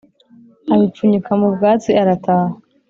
abipfunyika mu bwatsi arataha